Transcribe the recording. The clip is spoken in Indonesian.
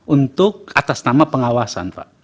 untuk atas nama pengawasan pak